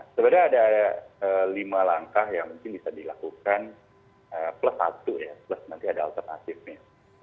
sebenarnya ada lima langkah yang mungkin bisa dilakukan plus satu ya plus nanti ada alternatifnya